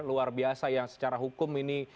luar biasa yang secara hukum ini